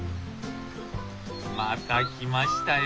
また来ましたよ